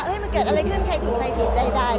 มันเกิดอะไรขึ้นใครถูกใครผิดใด